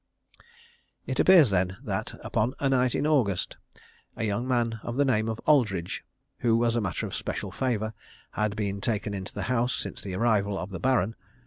It appears, then, that upon a night in August, a young man of the name of Aldridge, who, as a matter of special favour, had been taken into the house since the arrival of the Baron (VII.)